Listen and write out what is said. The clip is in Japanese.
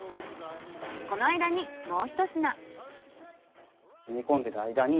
この間にもうひと品。